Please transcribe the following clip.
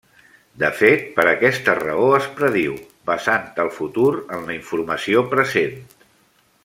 De fet, per aquesta raó es prediu, basant el futur en la informació present.